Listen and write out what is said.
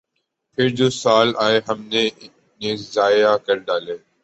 پھر جو سال آئے ہم نے ضائع کر ڈالے۔